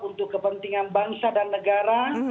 untuk kepentingan bangsa dan negara